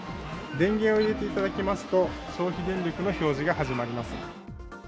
電源を入れていただきますと、消費電力の表示が始まります。